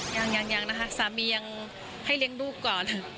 ยังยังนะคะสามียังให้เลี้ยงลูกก่อน